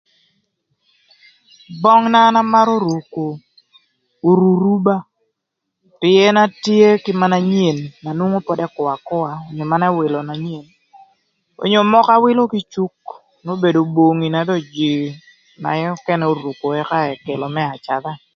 Böng na an amarö ruko oruruba pïën atye kï mënë anyen na nwongo pod ëkwö akwöa kï mënë ëwïlö na nyen onyo mökö awïlö kï cuk n'obedo bongi na dong jïï nökënë oruko ëka ekelo më acadha.